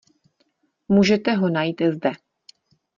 Můžete ho najít zde.